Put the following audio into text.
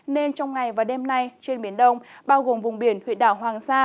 nên trong ngày và đêm nay trên biển đông bao gồm vùng biển huyện đảo hoàng sa